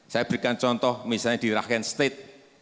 saya berikan contoh misalnya di rakhian state